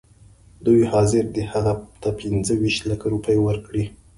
دوی حاضر دي هغه ته پنځه ویشت لکه روپۍ ورکړي.